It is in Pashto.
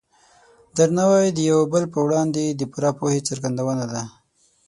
درناوی د یو بل په وړاندې د پوره پوهې څرګندونه ده.